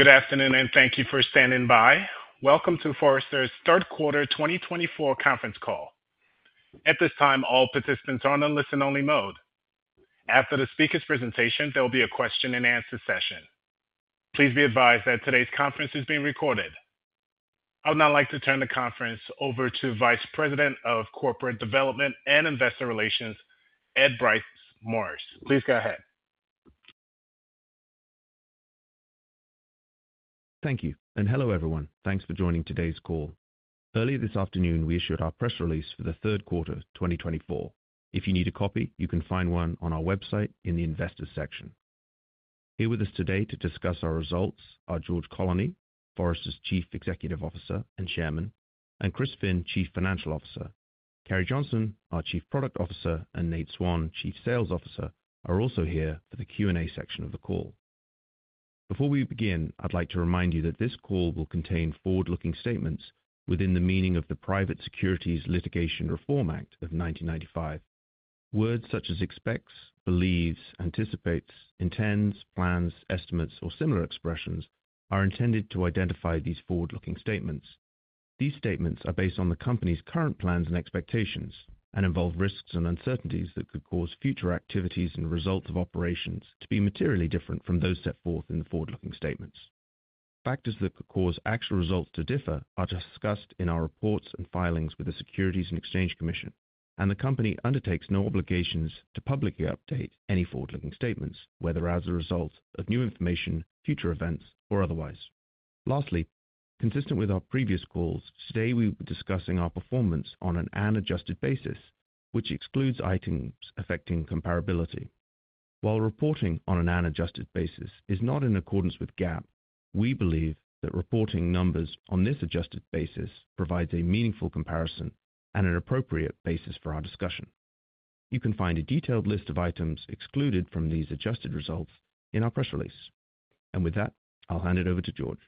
Good afternoon, and thank you for standing by. Welcome to Forrester's Third Quarter 2024 Conference Call. At this time, all participants are on a listen-only mode. After the speaker's presentation, there will be a question-and-answer session. Please be advised that today's conference is being recorded. I would now like to turn the conference over to Vice President of Corporate Development and Investor Relations, Ed Bryce Morris. Please go ahead. Thank you, and hello everyone. Thanks for joining today's call. Earlier this afternoon, we issued our press release for the third quarter 2024. If you need a copy, you can find one on our website in the Investors section. Here with us today to discuss our results are George Colony, Forrester's Chief Executive Officer and Chairman, and Chris Finn, Chief Financial Officer. Carrie Johnson, our Chief Product Officer, and Nate Swan, Chief Sales Officer, are also here for the Q&A section of the call. Before we begin, I'd like to remind you that this call will contain forward-looking statements within the meaning of the Private Securities Litigation Reform Act of 1995. Words such as expects, believes, anticipates, intends, plans, estimates, or similar expressions are intended to identify these forward-looking statements. These statements are based on the company's current plans and expectations and involve risks and uncertainties that could cause future activities and results of operations to be materially different from those set forth in the forward-looking statements. Factors that could cause actual results to differ are discussed in our reports and filings with the Securities and Exchange Commission, and the company undertakes no obligations to publicly update any forward-looking statements, whether as a result of new information, future events, or otherwise. Lastly, consistent with our previous calls, today we will be discussing our performance on an adjusted basis, which excludes items affecting comparability. While reporting on an adjusted basis is not in accordance with GAAP, we believe that reporting numbers on this adjusted basis provides a meaningful comparison and an appropriate basis for our discussion. You can find a detailed list of items excluded from these adjusted results in our press release. And with that, I'll hand it over to George.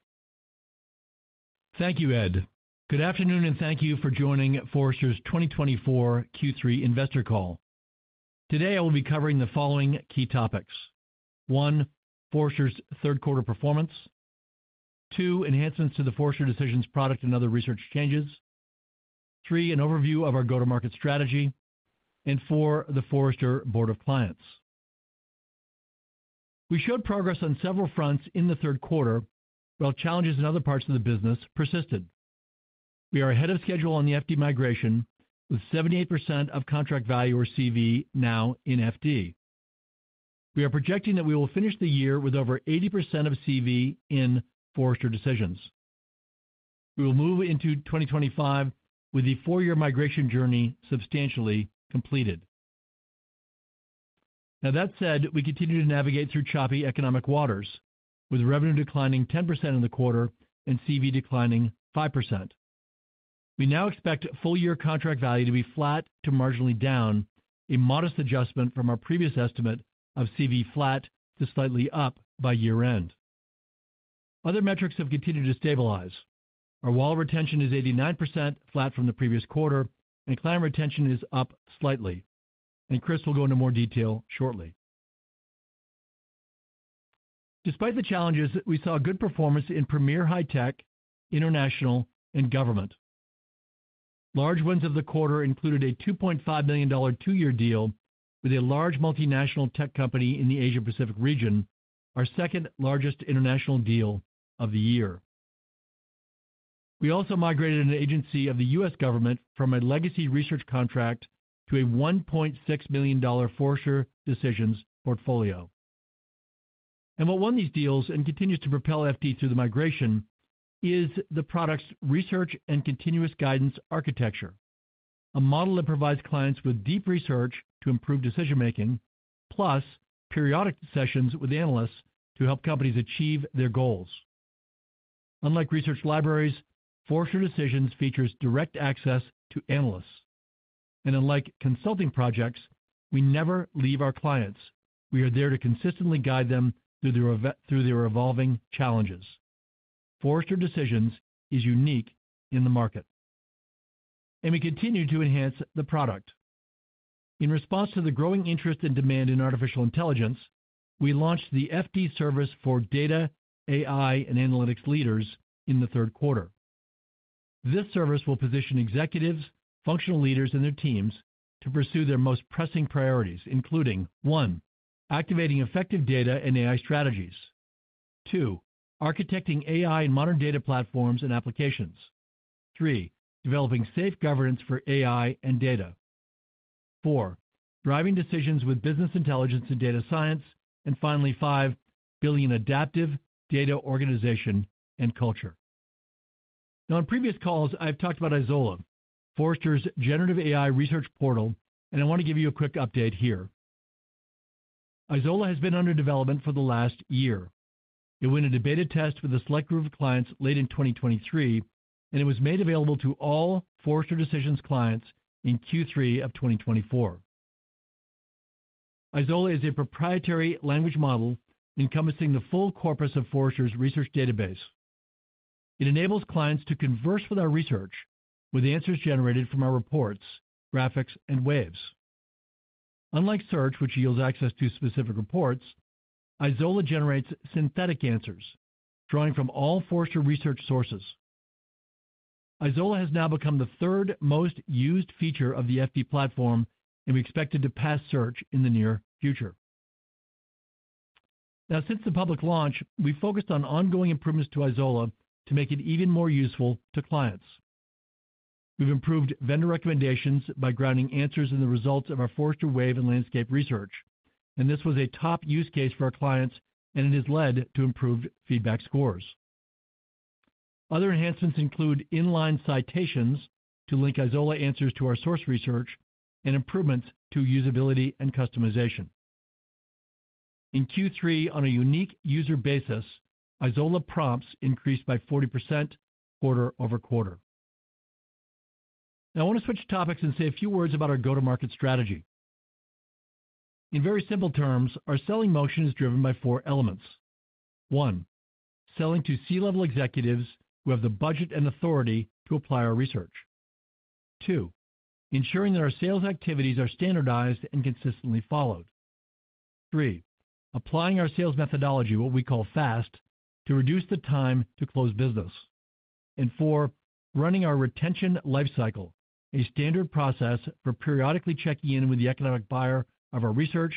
Thank you, Ed. Good afternoon, and thank you for joining Forrester's 2024 Q3 Investor Call. Today, I will be covering the following key topics: one, Forrester's third quarter performance; two, enhancements to the Forrester Decisions product, and other research changes; three, an overview of our go-to-market strategy; and four, the Forrester Board of Clients. We showed progress on several fronts in the third quarter, while challenges in other parts of the business persisted. We are ahead of schedule on the FD migration, with 78% of contract value or CV now in FD. We are projecting that we will finish the year with over 80% of CV in Forrester Decisions. We will move into 2025 with the four-year migration journey substantially completed. Now, that said, we continue to navigate through choppy economic waters, with revenue declining 10% in the quarter and CV declining 5%. We now expect full-year contract value to be flat to marginally down, a modest adjustment from our previous estimate of CV flat to slightly up by year-end. Other metrics have continued to stabilize. Our wallet retention is 89%, flat from the previous quarter, and client retention is up slightly, and Chris will go into more detail shortly. Despite the challenges, we saw good performance in premier high tech, international, and government. Large wins of the quarter included a $2.5 million two-year deal with a large multinational tech company in the Asia-Pacific region, our second largest international deal of the year. We also migrated an agency of the U.S. government from a legacy research contract to a $1.6 million Forrester Decisions portfolio. What won these deals and continues to propel FD through the migration is the product's research and continuous guidance architecture, a model that provides clients with deep research to improve decision-making, plus periodic sessions with analysts to help companies achieve their goals. Unlike research libraries, Forrester Decisions features direct access to analysts. Unlike consulting projects, we never leave our clients. We are there to consistently guide them through their evolving challenges. Forrester Decisions is unique in the market, and we continue to enhance the product. In response to the growing interest and demand in artificial intelligence, we launched the FD service for data AI and analytics leaders in the third quarter. This service will position executives, functional leaders, and their teams to pursue their most pressing priorities, including: one, activating effective data and AI strategies; two, architecting AI and modern data platforms and applications; three, developing safe governance for AI and data; four, driving decisions with business intelligence and data science; and finally, five, building an adaptive data organization and culture. Now, in previous calls, I've talked about Izola, Forrester's generative AI research portal, and I want to give you a quick update here. Izola has been under development for the last year. It went through a beta test with a select group of clients late in 2023, and it was made available to all Forrester Decisions clients in Q3 of 2024. Izola is a proprietary language model encompassing the full corpus of Forrester's research database. It enables clients to converse with our research with answers generated from our reports, graphics, and Waves. Unlike search, which yields access to specific reports, Izola generates synthetic answers, drawing from all Forrester research sources. Izola has now become the third most used feature of the FD platform, and we expect it to pass search in the near future. Now, since the public launch, we focused on ongoing improvements to Izola to make it even more useful to clients. We've improved vendor recommendations by grounding answers in the results of our Forrester Wave and landscape research, and this was a top use case for our clients, and it has led to improved feedback scores. Other enhancements include inline citations to link Izola answers to our source research and improvements to usability and customization. In Q3, on a unique user basis, Izola prompts increased by 40% quarter over quarter. Now, I want to switch topics and say a few words about our go-to-market strategy. In very simple terms, our selling motion is driven by four elements: one, selling to C-level executives who have the budget and authority to apply our research; two, ensuring that our sales activities are standardized and consistently followed; three, applying our sales methodology, what we call FAST, to reduce the time to close business; and four, running our retention lifecycle, a standard process for periodically checking in with the economic buyer of our research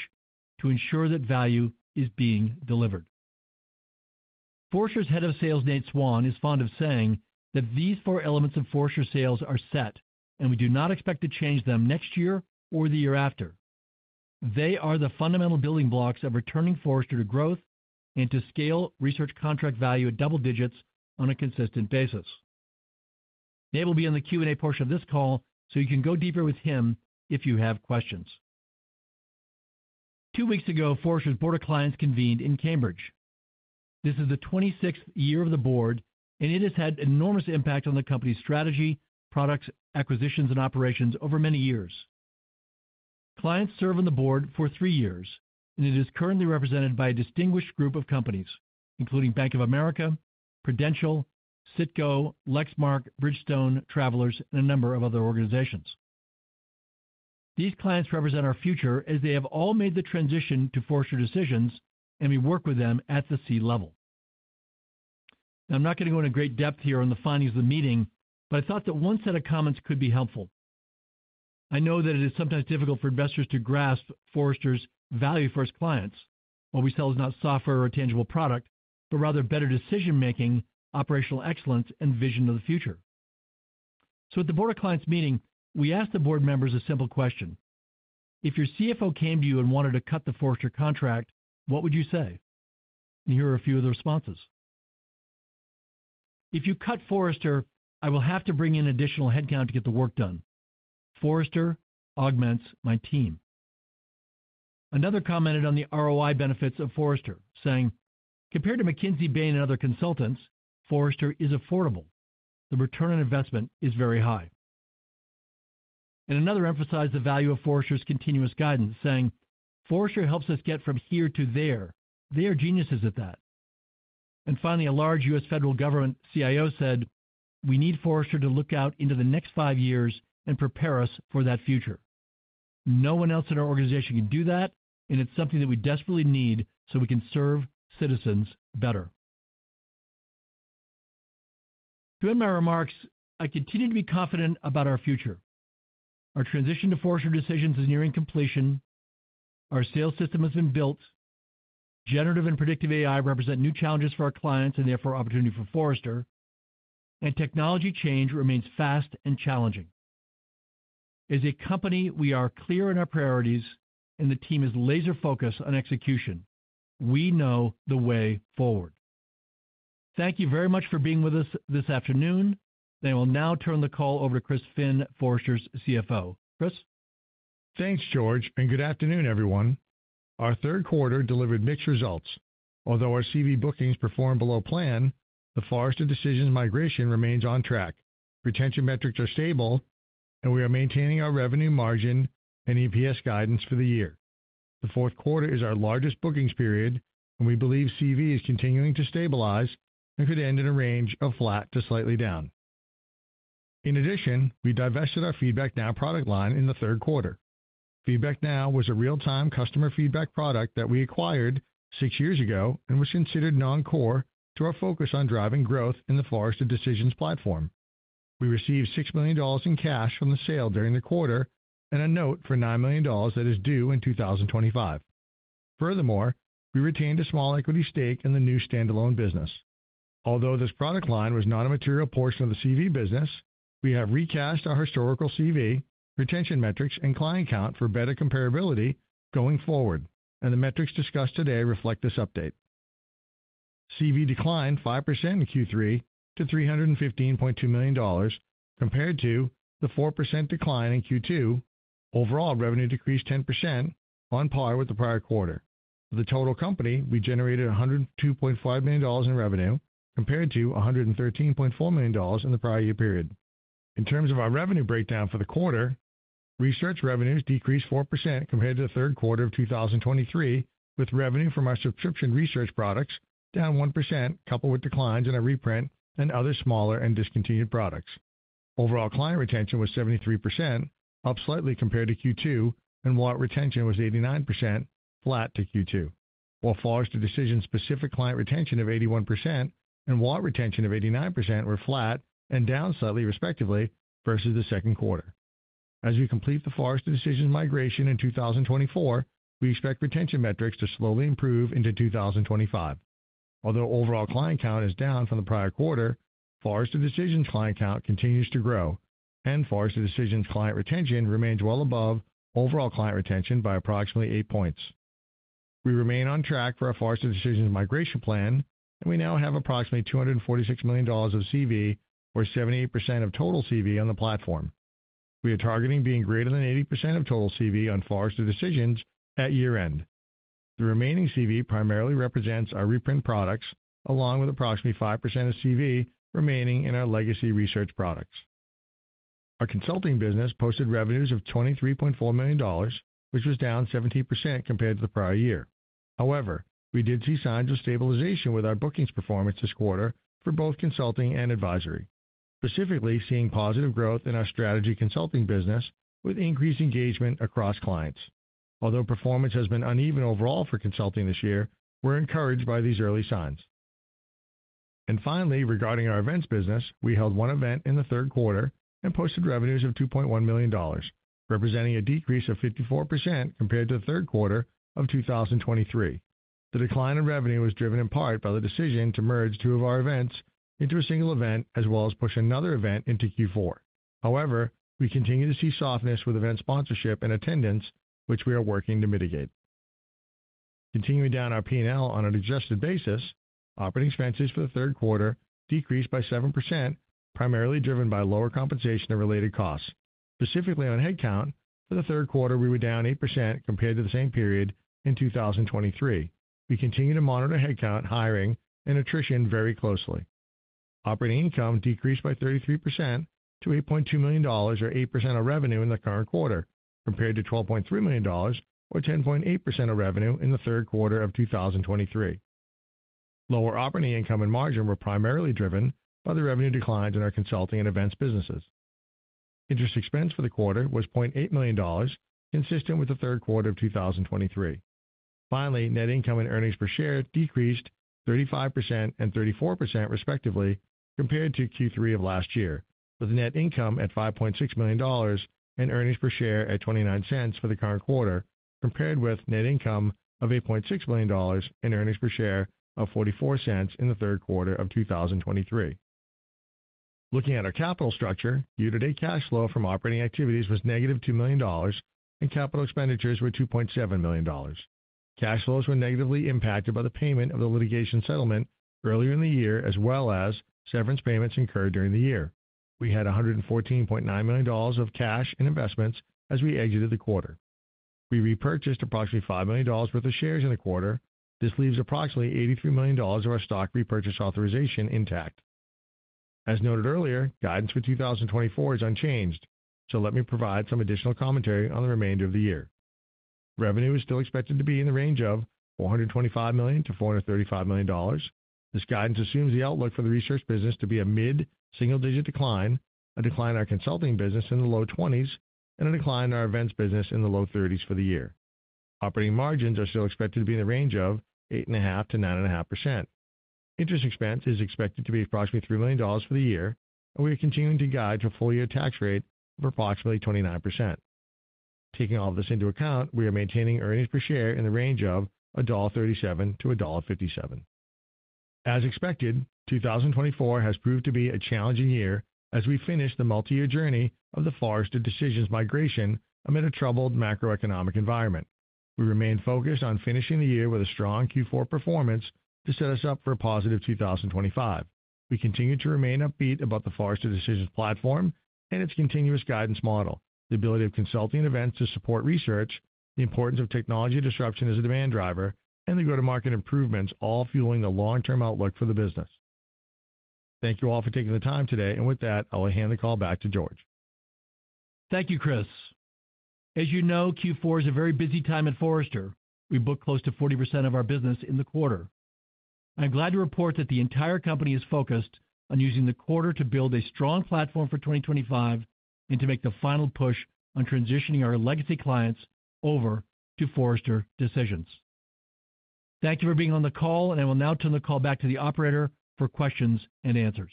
to ensure that value is being delivered. Forrester's head of sales, Nate Swan, is fond of saying that these four elements of Forrester sales are set, and we do not expect to change them next year or the year after. They are the fundamental building blocks of returning Forrester to growth and to scale research contract value at double digits on a consistent basis. Nate will be in the Q&A portion of this call, so you can go deeper with him if you have questions. Two weeks ago, Forrester's Board of Clients convened in Cambridge. This is the 26th year of the board, and it has had enormous impact on the company's strategy, products, acquisitions, and operations over many years. Clients serve on the board for three years, and it is currently represented by a distinguished group of companies, including Bank of America, Prudential, CITGO, Lexmark, Bridgestone, Travelers, and a number of other organizations. These clients represent our future as they have all made the transition to Forrester Decisions, and we work with them at the C-level. Now, I'm not going to go into great depth here on the findings of the meeting, but I thought that one set of comments could be helpful. I know that it is sometimes difficult for investors to grasp Forrester's value for its clients. What we sell is not software or tangible product, but rather better decision-making, operational excellence, and vision of the future. So, at the Board of Clients meeting, we asked the Board members a simple question: If your CFO came to you and wanted to cut the Forrester contract, what would you say? And here are a few of the responses. If you cut Forrester, I will have to bring in additional headcount to get the work done. Forrester augments my team. Another commented on the ROI benefits of Forrester, saying, "Compared to McKinsey, Bain, and other consultants, Forrester is affordable. The return on investment is very high." And another emphasized the value of Forrester's continuous guidance, saying, "Forrester helps us get from here to there. They are geniuses at that." And finally, a large U.S. federal government CIO said, "We need Forrester to look out into the next five years and prepare us for that future. No one else in our organization can do that, and it's something that we desperately need so we can serve citizens better." To end my remarks, I continue to be confident about our future. Our transition to Forrester Decisions is nearing completion. Our sales system has been built. Generative and predictive AI represent new challenges for our clients and therefore opportunity for Forrester. And technology change remains fast and challenging. As a company, we are clear in our priorities, and the team is laser-focused on execution. We know the way forward. Thank you very much for being with us this afternoon. I will now turn the call over to Chris Finn, Forrester's CFO. Chris? Thanks, George, and good afternoon, everyone. Our third quarter delivered mixed results. Although our CV bookings performed below plan, the Forrester Decisions migration remains on track. Retention metrics are stable, and we are maintaining our revenue margin and EPS guidance for the year. The fourth quarter is our largest bookings period, and we believe CV is continuing to stabilize and could end in a range of flat to slightly down. In addition, we divested our FeedbackNow product line in the third quarter. FeedbackNow was a real-time customer feedback product that we acquired six years ago and was considered non-core to our focus on driving growth in the Forrester Decisions platform. We received $6 million in cash from the sale during the quarter and a note for $9 million that is due in 2025. Furthermore, we retained a small equity stake in the new standalone business. Although this product line was not a material portion of the CV business, we have recast our historical CV, retention metrics, and client count for better comparability going forward, and the metrics discussed today reflect this update. CV declined 5% in Q3 to $315.2 million compared to the 4% decline in Q2. Overall revenue decreased 10% on par with the prior quarter. For the total company, we generated $102.5 million in revenue compared to $113.4 million in the prior year period. In terms of our revenue breakdown for the quarter, research revenues decreased 4% compared to the third quarter of 2023, with revenue from our subscription research products down 1%, coupled with declines in our reprint and other smaller and discontinued products. Overall client retention was 73%, up slightly compared to Q2, and wallet retention was 89%, flat to Q2. While Forrester Decisions-specific client retention of 81% and wallet retention of 89% were flat and down slightly, respectively, versus the second quarter. As we complete the Forrester Decisions migration in 2024, we expect retention metrics to slowly improve into 2025. Although overall client count is down from the prior quarter, Forrester Decisions client count continues to grow, and Forrester Decisions client retention remains well above overall client retention by approximately eight points. We remain on track for our Forrester Decisions migration plan, and we now have approximately $246 million of CV, or 78% of total CV on the platform. We are targeting being greater than 80% of total CV on Forrester Decisions at year-end. The remaining CV primarily represents our reprint products, along with approximately 5% of CV remaining in our legacy research products. Our consulting business posted revenues of $23.4 million, which was down 17% compared to the prior year. However, we did see signs of stabilization with our bookings performance this quarter for both consulting and advisory, specifically seeing positive growth in our strategy consulting business with increased engagement across clients. Although performance has been uneven overall for consulting this year, we're encouraged by these early signs. Finally, regarding our events business, we held one event in the third quarter and posted revenues of $2.1 million, representing a decrease of 54% compared to the third quarter of 2023. The decline in revenue was driven in part by the decision to merge two of our events into a single event, as well as push another event into Q4. However, we continue to see softness with event sponsorship and attendance, which we are working to mitigate. Continuing down our P&L on an adjusted basis, operating expenses for the third quarter decreased by 7%, primarily driven by lower compensation and related costs. Specifically on headcount, for the third quarter, we were down 8% compared to the same period in 2023. We continue to monitor headcount, hiring, and attrition very closely. Operating income decreased by 33% to $8.2 million, or 8% of revenue in the current quarter, compared to $12.3 million, or 10.8% of revenue in the third quarter of 2023. Lower operating income and margin were primarily driven by the revenue declines in our consulting and events businesses. Interest expense for the quarter was $0.8 million, consistent with the third quarter of 2023. Finally, net income and earnings per share decreased 35% and 34%, respectively, compared to Q3 of last year, with net income at $5.6 million and earnings per share at $0.29 for the current quarter, compared with net income of $8.6 million and earnings per share of $0.44 in the third quarter of 2023. Looking at our capital structure, year-to-date cash flow from operating activities was negative $2 million, and capital expenditures were $2.7 million. Cash flows were negatively impacted by the payment of the litigation settlement earlier in the year, as well as severance payments incurred during the year. We had $114.9 million of cash and investments as we exited the quarter. We repurchased approximately $5 million worth of shares in the quarter. This leaves approximately $83 million of our stock repurchase authorization intact. As noted earlier, guidance for 2024 is unchanged, so let me provide some additional commentary on the remainder of the year. Revenue is still expected to be in the range of $425 million-$435 million. This guidance assumes the outlook for the research business to be a mid-single-digit decline, a decline in our consulting business in the low 20s, and a decline in our events business in the low 30s for the year. Operating margins are still expected to be in the range of 8.5%-9.5%. Interest expense is expected to be approximately $3 million for the year, and we are continuing to guide to a full-year tax rate of approximately 29%. Taking all of this into account, we are maintaining earnings per share in the range of $1.37-$1.57. As expected, 2024 has proved to be a challenging year as we finished the multi-year journey of the Forrester Decisions migration amid a troubled macroeconomic environment. We remained focused on finishing the year with a strong Q4 performance to set us up for a positive 2025. We continue to remain upbeat about the Forrester Decisions platform and its continuous guidance model, the ability of consulting events to support research, the importance of technology disruption as a demand driver, and the go-to-market improvements, all fueling the long-term outlook for the business. Thank you all for taking the time today, and with that, I will hand the call back to George. Thank you, Chris. As you know, Q4 is a very busy time at Forrester. We booked close to 40% of our business in the quarter. I'm glad to report that the entire company is focused on using the quarter to build a strong platform for 2025 and to make the final push on transitioning our legacy clients over to Forrester Decisions. Thank you for being on the call, and I will now turn the call back to the operator for questions and answers.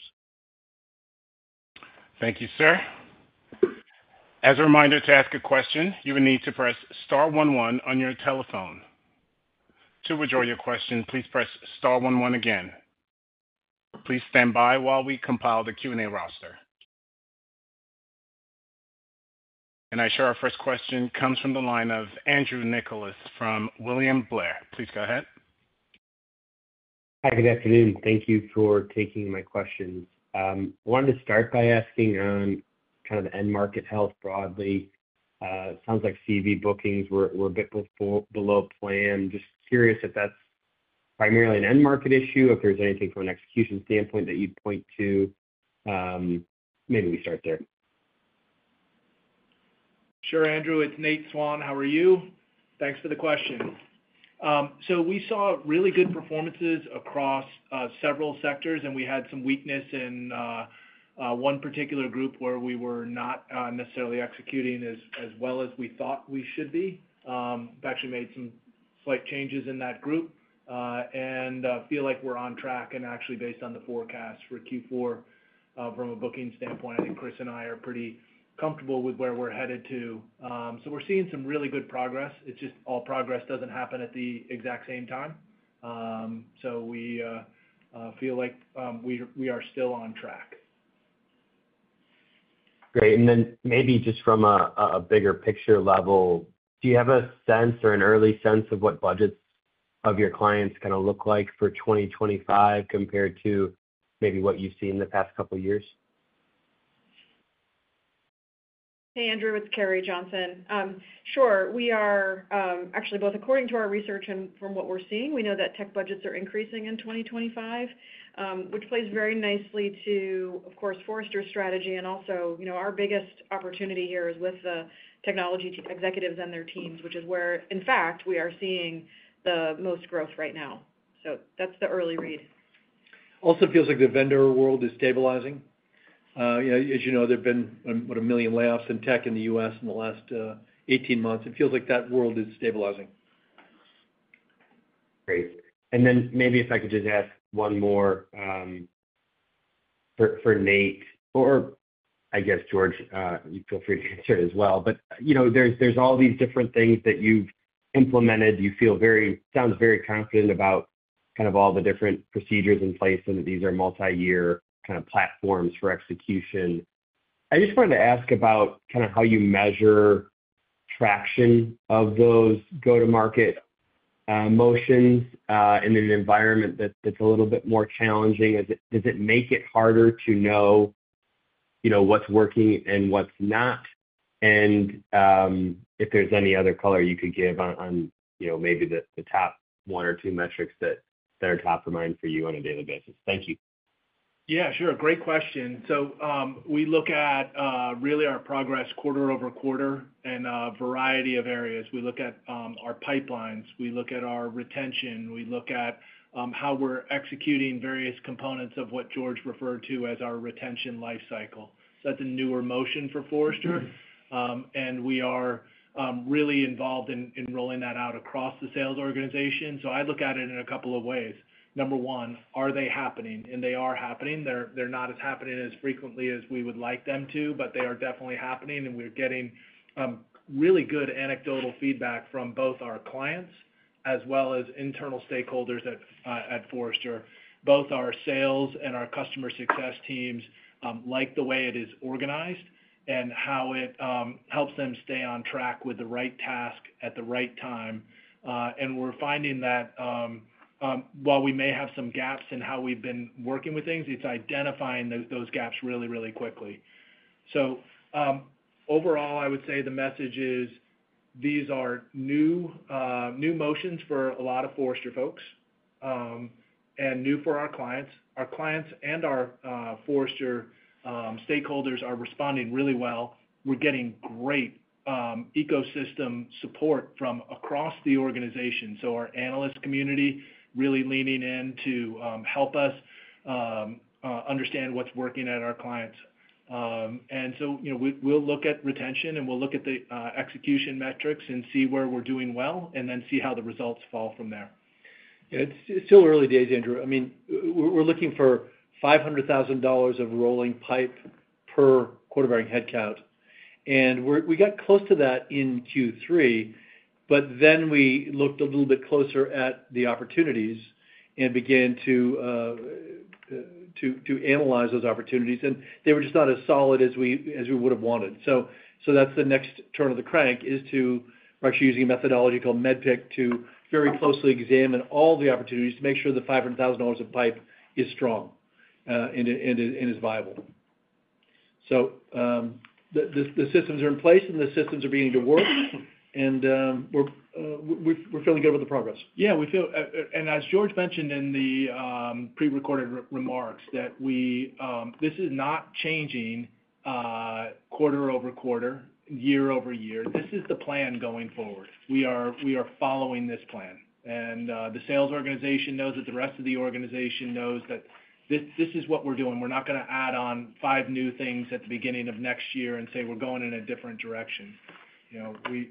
Thank you, sir. As a reminder to ask a question, you will need to press star 11 on your telephone. To withdraw your question, please press star 11 again. Please stand by while we compile the Q&A roster. Our first question comes from the line of Andrew Nicholas from William Blair. Please go ahead. Hi, good afternoon. Thank you for taking my questions. I wanted to start by asking kind of end market health broadly. It sounds like CV bookings were a bit below plan. Just curious if that's primarily an end market issue, if there's anything from an execution standpoint that you'd point to. Maybe we start there. Sure, Andrew. It's Nate Swan. How are you? Thanks for the question. So we saw really good performances across several sectors, and we had some weakness in one particular group where we were not necessarily executing as well as we thought we should be. We've actually made some slight changes in that group and feel like we're on track and actually based on the forecast for Q4 from a booking standpoint, I think Chris and I are pretty comfortable with where we're headed to. So we're seeing some really good progress. It's just all progress doesn't happen at the exact same time. So we feel like we are still on track. Great, and then maybe just from a bigger picture level, do you have a sense or an early sense of what budgets of your clients kind of look like for 2025 compared to maybe what you've seen in the past couple of years? Hey, Andrew, it's Carrie Johnson. Sure. We are actually, both according to our research and from what we're seeing, we know that tech budgets are increasing in 2025, which plays very nicely to, of course, Forrester strategy. And also, our biggest opportunity here is with the technology executives and their teams, which is where, in fact, we are seeing the most growth right now. So that's the early read. Also feels like the vendor world is stabilizing. As you know, there've been what, a million layoffs in tech in the U.S. in the last 18 months. It feels like that world is stabilizing. Great, and then maybe if I could just ask one more for Nate or I guess George. You feel free to answer it as well, but there's all these different things that you've implemented. You sound very confident about kind of all the different procedures in place and that these are multi-year kind of platforms for execution. I just wanted to ask about kind of how you measure traction of those go-to-market motions in an environment that's a little bit more challenging. Does it make it harder to know what's working and what's not, and if there's any other color you could give on maybe the top one or two metrics that are top of mind for you on a daily basis? Thank you. Yeah, sure. Great question. So we look at really our progress quarter over quarter in a variety of areas. We look at our pipelines. We look at our retention. We look at how we're executing various components of what George referred to as our retention lifecycle. So that's a newer motion for Forrester. And we are really involved in rolling that out across the sales organization. So I look at it in a couple of ways. Number one, are they happening? And they are happening. They're not as happening as frequently as we would like them to, but they are definitely happening. And we're getting really good anecdotal feedback from both our clients as well as internal stakeholders at Forrester. Both our sales and our customer success teams like the way it is organized and how it helps them stay on track with the right task at the right time. And we're finding that while we may have some gaps in how we've been working with things, it's identifying those gaps really, really quickly. So overall, I would say the message is these are new motions for a lot of Forrester folks and new for our clients. Our clients and our Forrester stakeholders are responding really well. We're getting great ecosystem support from across the organization. So our analyst community really leaning in to help us understand what's working at our clients. And so we'll look at retention and we'll look at the execution metrics and see where we're doing well and then see how the results fall from there. Yeah, it's still early days, Andrew. I mean, we're looking for $500,000 of rolling pipe per quarter-bearing headcount. And we got close to that in Q3, but then we looked a little bit closer at the opportunities and began to analyze those opportunities. And they were just not as solid as we would have wanted. So that's the next turn of the crank is to, we're actually using a methodology called MEDDPICC to very closely examine all the opportunities to make sure the $500,000 of pipe is strong and is viable. So the systems are in place and the systems are beginning to work. And we're feeling good about the progress. Yeah. And as George mentioned in the prerecorded remarks that this is not changing quarter over quarter, year over year. This is the plan going forward. We are following this plan. And the sales organization knows that the rest of the organization knows that this is what we're doing. We're not going to add on five new things at the beginning of next year and say we're going in a different direction.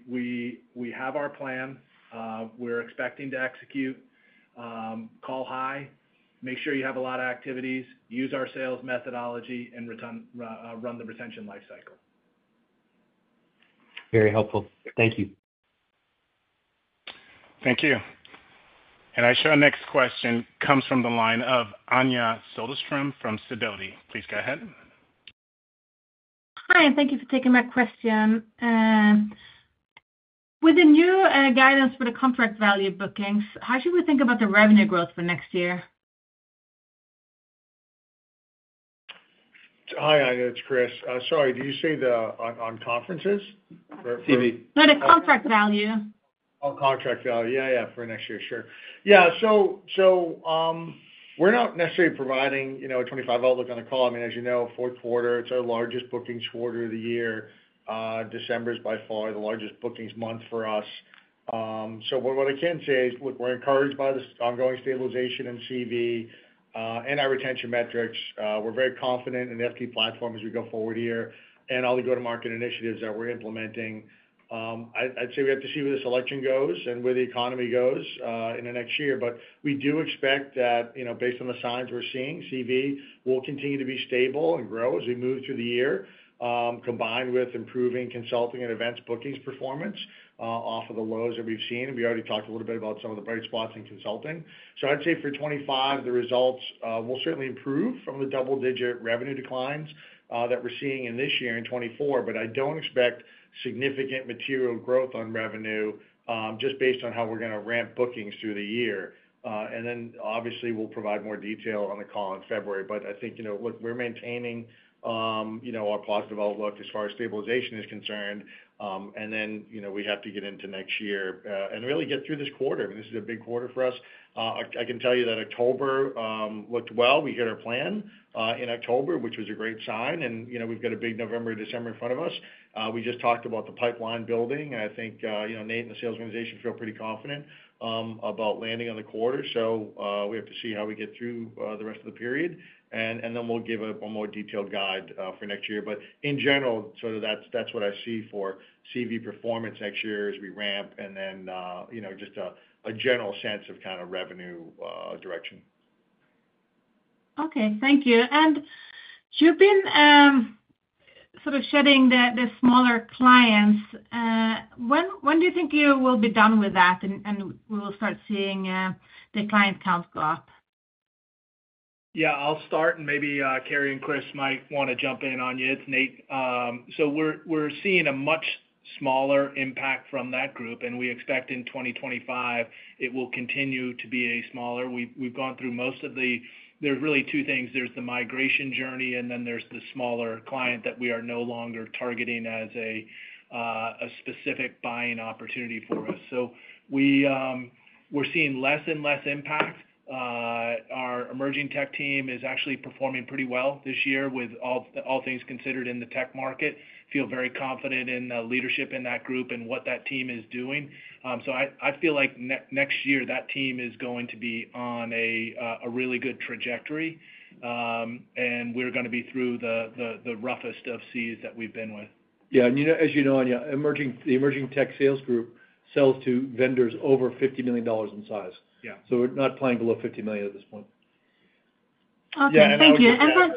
We have our plan. We're expecting to execute. Call high. Make sure you have a lot of activities. Use our sales methodology and run the retention lifecycle Very helpful. Thank you. Thank you. Our next question comes from the line of Anja Soderstrom from Sidoti & Company. Please go ahead. Hi. Thank you for taking my question. With the new guidance for the contract value bookings, how should we think about the revenue growth for next year? Hi, it's Chris. Sorry, did you say on conferences? TV. No, the contract value. On contract value. Yeah, yeah, for next year, sure. Yeah. So we're not necessarily providing a $25 look on the call. I mean, as you know, fourth quarter, it's our largest bookings quarter of the year. December is by far the largest bookings month for us. So what I can say is, look, we're encouraged by this ongoing stabilization in CV and our retention metrics. We're very confident in the FT platform as we go forward here and all the go-to-market initiatives that we're implementing. I'd say we have to see where this election goes and where the economy goes in the next year. But we do expect that based on the signs we're seeing, CV will continue to be stable and grow as we move through the year, combined with improving consulting and events bookings performance off of the lows that we've seen. And we already talked a little bit about some of the bright spots in consulting. So I'd say for 2025, the results will certainly improve from the double-digit revenue declines that we're seeing in this year in 2024, but I don't expect significant material growth on revenue just based on how we're going to ramp bookings through the year. And then obviously, we'll provide more detail on the call in February. But I think, look, we're maintaining our positive outlook as far as stabilization is concerned. And then we have to get into next year and really get through this quarter. I mean, this is a big quarter for us. I can tell you that October looked well. We hit our plan in October, which was a great sign. And we've got a big November, December in front of us. We just talked about the pipeline building. I think Nate and the sales organization feel pretty confident about landing on the quarter. So we have to see how we get through the rest of the period, and then we'll give a more detailed guide for next year. But in general, sort of that's what I see for CV performance next year as we ramp and then just a general sense of kind of revenue direction. Okay. Thank you. And you've been sort of shedding the smaller clients. When do you think you will be done with that and we will start seeing the client count go up? Yeah. I'll start, and maybe Carrie and Chris might want to jump in on you. It's Nate. So we're seeing a much smaller impact from that group, and we expect in 2025 it will continue to be smaller. We've gone through most of the. There's really two things. There's the migration journey, and then there's the smaller client that we are no longer targeting as a specific buying opportunity for us. So we're seeing less and less impact. Our emerging tech team is actually performing pretty well this year with all things considered in the tech market. I feel very confident in the leadership in that group and what that team is doing. So I feel like next year that team is going to be on a really good trajectory, and we're going to be through the roughest of seas that we've been with. Yeah. And as you know, the emerging tech sales group sells to vendors over $50 million in size. So we're not playing below 50 million at this point. Okay. Thank you. Yes.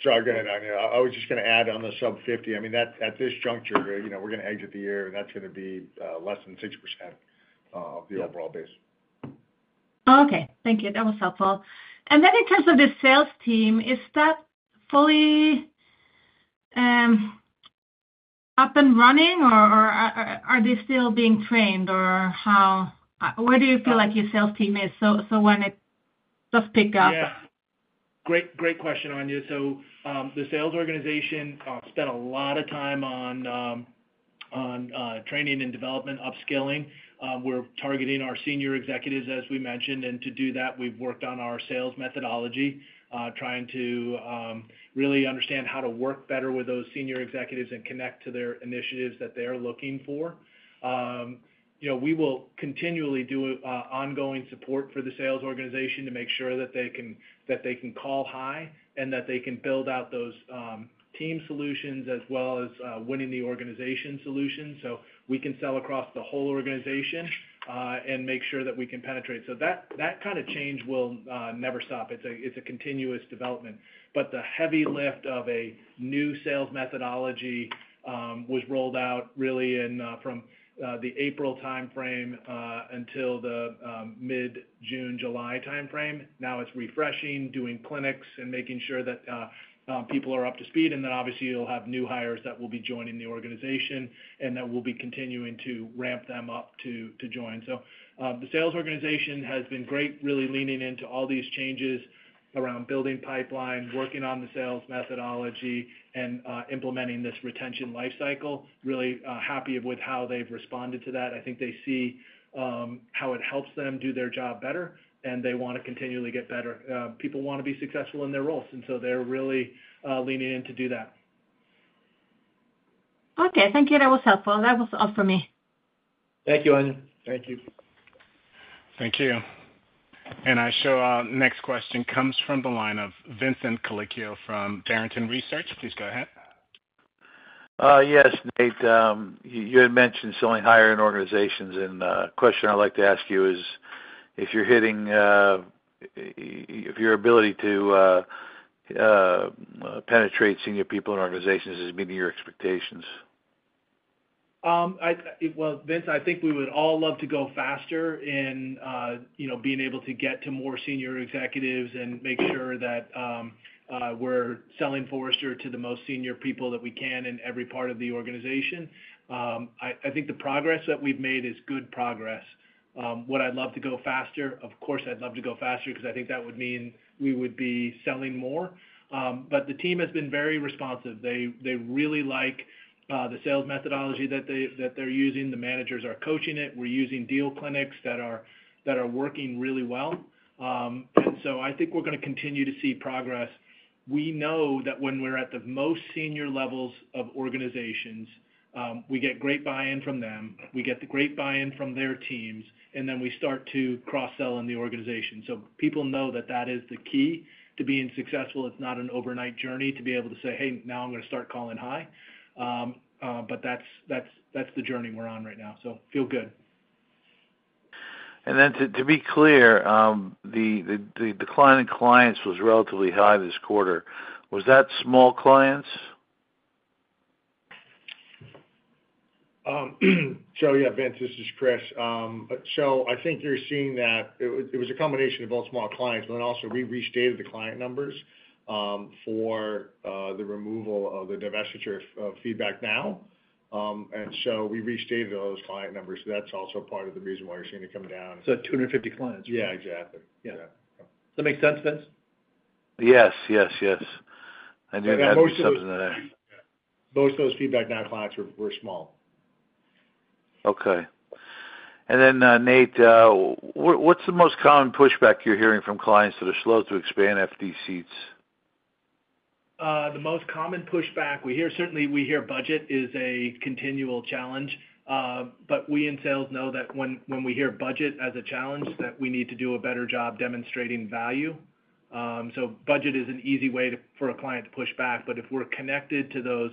Charles, go ahead, Anya. I was just going to add on the sub-50. I mean, at this juncture, we're going to exit the year, and that's going to be less than 6% of the overall base. Okay. Thank you. That was helpful. And then in terms of the sales team, is that fully up and running, or are they still being trained, or how? Where do you feel like your sales team is so when it does pick up? Yeah. Great question, Anya, so the sales organization spent a lot of time on training and development, upskilling. We're targeting our senior executives, as we mentioned, and to do that, we've worked on our sales methodology, trying to really understand how to work better with those senior executives and connect to their initiatives that they are looking for. We will continually do ongoing support for the sales organization to make sure that they can call high and that they can build out those team solutions as well as winning the organization solutions so we can sell across the whole organization and make sure that we can penetrate, so that kind of change will never stop. It's a continuous development, but the heavy lift of a new sales methodology was rolled out really from the April timeframe until the mid-June-July timeframe. Now it's refreshing, doing clinics, and making sure that people are up to speed. And then obviously, you'll have new hires that will be joining the organization and that will be continuing to ramp them up to join. So the sales organization has been great, really leaning into all these changes around building pipeline, working on the sales methodology, and implementing this retention lifecycle. Really happy with how they've responded to that. I think they see how it helps them do their job better, and they want to continually get better. People want to be successful in their roles. And so they're really leaning in to do that. Okay. Thank you. That was helpful. That was all for me. Thank you, Anya. Thank you. Thank you. And I show our next question comes from the line of Vincent Colicchio from Barrington Research. Please go ahead. Yes, Nate. You had mentioned selling higher in organizations. And the question I'd like to ask you is if your ability to penetrate senior people in organizations is meeting your expectations. Vince, I think we would all love to go faster in being able to get to more senior executives and make sure that we're selling Forrester to the most senior people that we can in every part of the organization. I think the progress that we've made is good progress. Would I love to go faster? Of course, I'd love to go faster because I think that would mean we would be selling more. But the team has been very responsive. They really like the sales methodology that they're using. The managers are coaching it. We're using deal clinics that are working really well. And so I think we're going to continue to see progress. We know that when we're at the most senior levels of organizations, we get great buy-in from them. We get great buy-in from their teams, and then we start to cross-sell in the organization. So people know that that is the key to being successful. It's not an overnight journey to be able to say, "Hey, now I'm going to start calling high." But that's the journey we're on right now. So feel good. And then to be clear, the decline in clients was relatively high this quarter. Was that small clients? So yeah, Vince, this is Chris. So I think you're seeing that it was a combination of both small clients, but also we restated the client numbers for the removal of the divestiture of FeedbackNow. And so we restated those client numbers. That's also part of the reason why you're seeing it come down. So 250 clients. Yeah, exactly. Yeah. Does that make sense, Vince? Yes, yes, yes. I knew you had some subs in there. Most of those FeedbackNow clients were small. Okay. And then, Nate, what's the most common pushback you're hearing from clients that are slow to expand FD seats? The most common pushback we hear, certainly, we hear budget is a continual challenge, but we in sales know that when we hear budget as a challenge, that we need to do a better job demonstrating value, so budget is an easy way for a client to push back, but if we're connected to those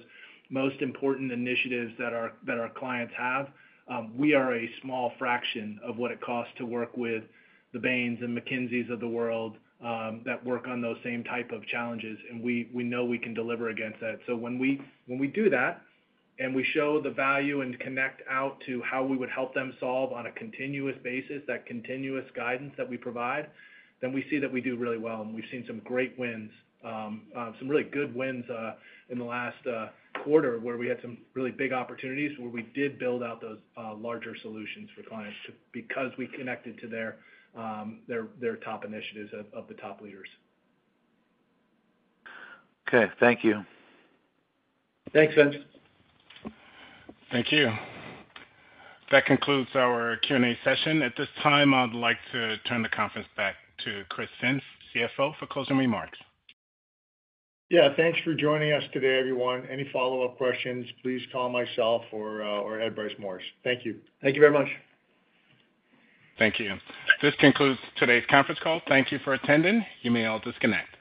most important initiatives that our clients have, we are a small fraction of what it costs to work with the Bains and McKinseys of the world that work on those same type of challenges, and we know we can deliver against that, so when we do that and we show the value and connect out to how we would help them solve on a continuous basis, that continuous guidance that we provide, then we see that we do really well. We've seen some great wins, some really good wins in the last quarter where we had some really big opportunities where we did build out those larger solutions for clients because we connected to their top initiatives of the top leaders. Okay. Thank you. Thanks, Vince. Thank you. That concludes our Q&A session. At this time, I'd like to turn the conference back to Chris Finn, CFO, for closing remarks. Yeah. Thanks for joining us today, everyone. Any follow-up questions, please call myself or Ed Bryce Morris. Thank you. Thank you very much. Thank you. This concludes today's conference call. Thank you for attending. You may all disconnect.